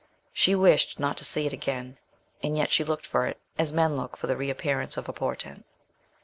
She wished not to see it again, and yet she looked for it, as men look for the reappearance of a portent.